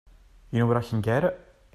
You know where I can get it?